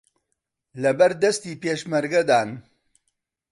لەبەردەستی پێشمەرگەدان